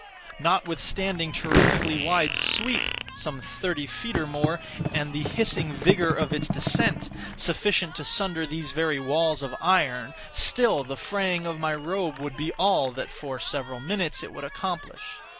Notwithstanding its terrifically wide sweep (some thirty feet or more) and the hissing vigor of its descent, sufficient to sunder these very walls of iron, still the fraying of my robe would be all that, for several minutes, it would accomplish.